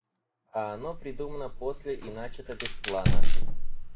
А оно придумано после и начато без плана.